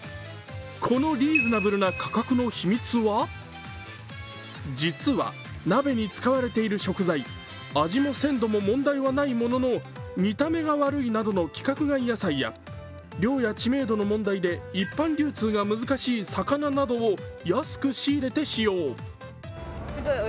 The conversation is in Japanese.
このリーズナブルな価格の秘密は実は、鍋に使われている食材、味も鮮度も問題ないものの、見た目が悪いなどの規格外野菜や量や知名度の問題で一般流通が難しい魚などを安く仕入れて使用。